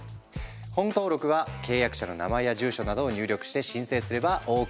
本登録は契約者の名前や住所などを入力して申請すればＯＫ！